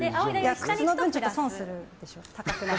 靴の分、損するでしょ。